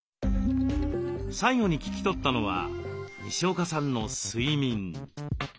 最後に聞き取ったのはにしおかさんの睡眠。